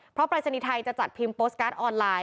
เพราะปรายศนีย์ไทยจะจัดพิมพ์โพสต์การ์ดออนไลน์